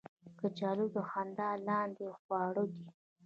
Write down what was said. کچالو د خندا لاندې خواړه دي